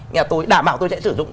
nhà tôi đã bảo tôi sẽ sử dụng